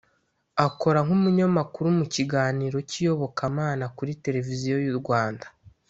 akora nk’umunyamakuru mu kiganiro cy’iyobokamana kuri televiziyo y’u Rwanda